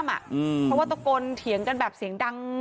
เพราะว่าตะโกนเถียงกันแบบเสียงดัง